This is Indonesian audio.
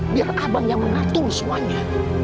biar abang yang mengatur semuanya